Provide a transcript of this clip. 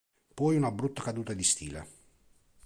Poi una brutta caduta di stile.